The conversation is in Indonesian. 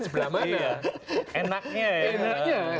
sebelah mana enaknya ya